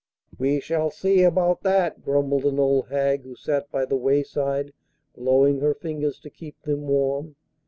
'We shall see about that,' grumbled an old hag who sat by the wayside blowing her fingers to keep them warm.